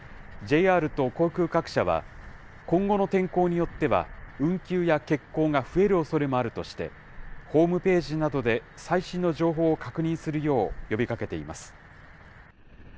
ＪＲと航空各社は、今後の天候によっては運休や欠航が増えるおそれもあるとして、ホームページなどで最新の情報を確認するよう呼びかけています。